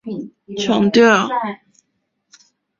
张军对检察机关自身防控还进一步强调指出